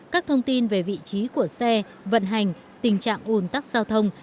các thông tin về vị trí của xe vận hành tình trạng ủn tắc giao thông